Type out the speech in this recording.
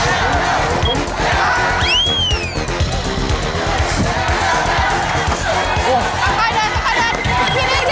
แล้วเลือกแล้วเลือก